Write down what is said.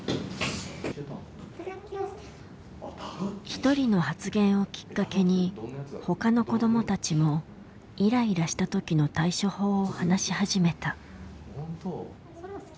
一人の発言をきっかけに他の子どもたちもイライラした時の対処法を話し始めた。